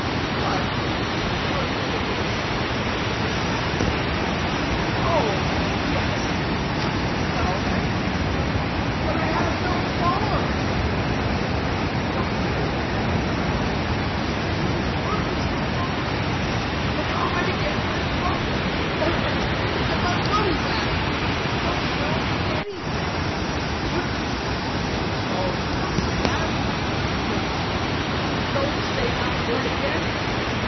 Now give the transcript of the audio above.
"What! Didn't he tell you that it was a secret, a mystery?" "Oh yes." "Well, then?" "But I have no bond." "Don't need any with Mr. Truman. Mr. Truman's word is his bond." "But how am I to get my profits ugh, ugh! and my money back? Don't know anything. Ugh, ugh!" "Oh, you must have confidence." "Don't say that word again.